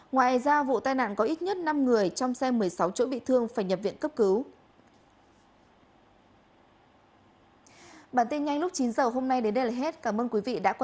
ngoài ra vụ tai nạn có ít nhất năm người trong xe một mươi sáu chỗ bị thương phải nhập viện cấp cứu